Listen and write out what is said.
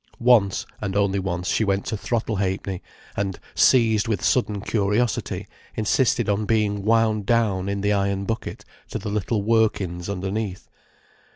Once and only once she went to Throttle Ha'penny, and, seized with sudden curiosity, insisted on being wound down in the iron bucket to the little workings underneath.